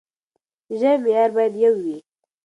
د ژبې معيار بايد يو وي.